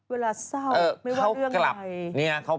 เวลาเศร้าไม่ว่าเรื่องอะไร